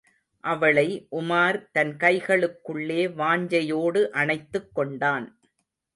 அவளை உமார் தன் கைகளுக்குள்ளே வாஞ்சையோடு அணைத்துக் கொண்டான்.